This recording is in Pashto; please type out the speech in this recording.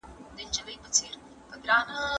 ماشوم په خپلو نریو پښو تکیه کړې وه.